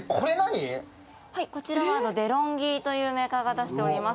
こちらはデロンギというメーカーが出しております。